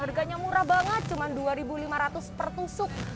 harganya murah banget cuma rp dua lima ratus per tusuk